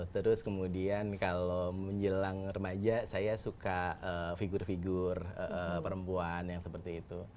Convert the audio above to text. terus kemudian kalau menjelang remaja saya suka figur figur perempuan yang seperti itu